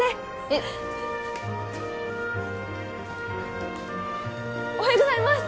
えっおはようございます！